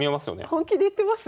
本気で言ってます？